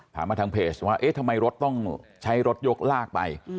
มาทางเพจว่าเอ๊ะทำไมรถต้องใช้รถยกลากไป